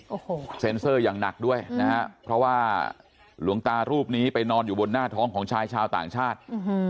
โอ้โหเซ็นเซอร์อย่างหนักด้วยนะฮะเพราะว่าหลวงตารูปนี้ไปนอนอยู่บนหน้าท้องของชายชาวต่างชาติ